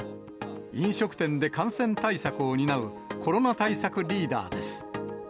飲食店で感染対策を担うコロナ対策リーダーです。